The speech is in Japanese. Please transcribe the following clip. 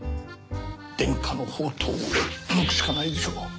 伝家の宝刀を抜くしかないでしょ。